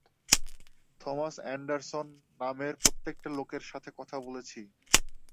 Thomas Anderson নামের প্রত্যেকটা লোকের সাথে কথা বলেছি।